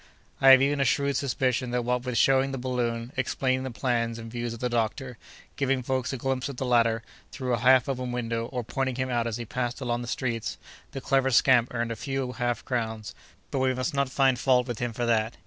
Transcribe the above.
I have even a shrewd suspicion that what with showing the balloon, explaining the plans and views of the doctor, giving folks a glimpse of the latter, through a half opened window, or pointing him out as he passed along the streets, the clever scamp earned a few half crowns, but we must not find fault with him for that.